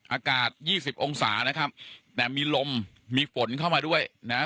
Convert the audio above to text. อากาศยี่สิบองศานะครับแต่มีลมมีฝนเข้ามาด้วยนะฮะ